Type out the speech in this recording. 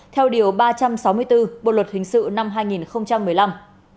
theo điều ba trăm sáu mươi bốn bộ luật hình sự năm hai nghìn một mươi năm